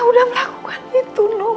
udah melakukan itu nus